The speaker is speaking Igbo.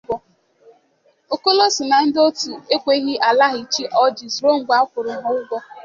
Okolo so na ndị otu ekweghị ịlaghachi Algiers rue mgbe a kwụrụ ha ụgwọ.